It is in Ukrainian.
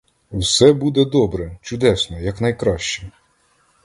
Все буде добре, чудесно, якнайкраще.